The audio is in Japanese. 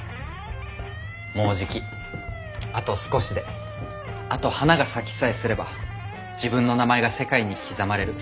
もうじきあと少しであと花が咲きさえすれば自分の名前が世界に刻まれる。